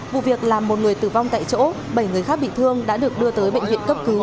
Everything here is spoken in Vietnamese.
vụ việc làm một người tử vong tại chỗ bảy người khác bị thương đã được đưa tới bệnh viện cấp cứu